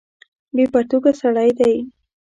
بې پرتوګه سړی دی.